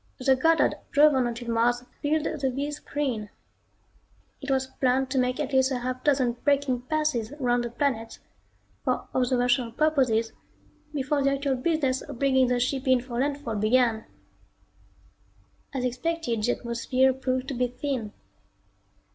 The Goddard drove on until Mars filled the viz screen. It was planned to make at least a half dozen braking passes around the planet for observational purposes before the actual business of bringing the ship in for landfall began. As expected the atmosphere proved to be thin.